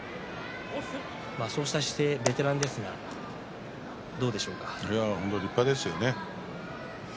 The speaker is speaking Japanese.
そうした姿勢、ベテランですが立派ですよね。